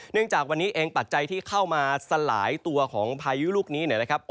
จากวันนี้เองปัจจัยที่เข้ามาสลายตัวของพายุลูกนี้นะครับ